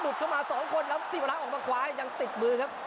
เข้ามาสองคนแล้วสิวรักษ์ออกมาคว้ายังติดมือครับ